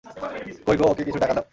কোই গো, ওকে কিছু টাকা দাও।